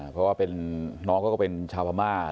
เพราะว่าน้องเขาก็เป็นชาวพม่า